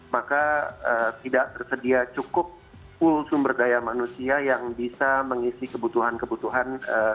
maka tidak tersedia cukup full sumber daya manusia yang bisa mengisi kebutuhan kebutuhan